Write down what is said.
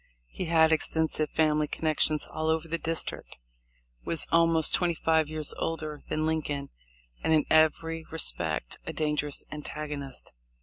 He had extensive family connections all over the district, was almost twenty five years older than Lincoln, and in every respect a dangerous antagonist.